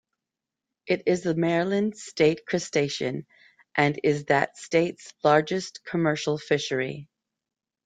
It is the Maryland state crustacean and is that state's largest commercial fishery.